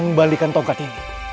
membalikan tongkat ini